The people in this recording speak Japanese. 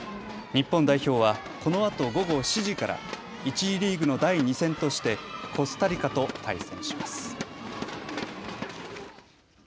日本代表はこのあと午後７時から１次リーグの第２戦としてコスタリカと対戦します。